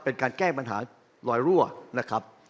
เป็นการแก้ปัญหาลอยรั่วนะครับ